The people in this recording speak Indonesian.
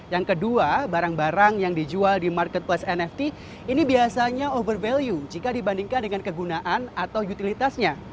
yang kedua barang barang yang dijual di marketplace nft ini biasanya over value jika dibandingkan dengan kegunaan atau utilitasnya